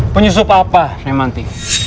penyusup apa remanti